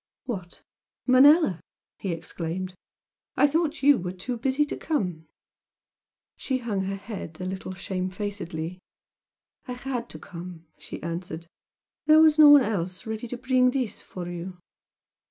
"What! Manella!" he exclaimed "I thought you were too busy to come!" She hung her head a little shamefacedly. "I HAD to come" she answered "There was no one else ready to bring this for you."